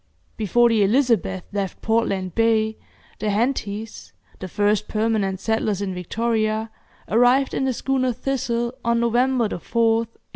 Before the 'Elizabeth' left Portland Bay, the Hentys, the first permanent settlers in Victoria, arrived in the schooner 'Thistle', on November 4th, 1834.